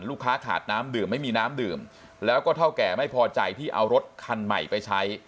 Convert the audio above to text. ลูกค้าขาดน้ำดื่มไม่มีน้ำดื่มแล้วก็เท่าแก่ไม่พอใจที่เอารถคันใหม่ไปใช้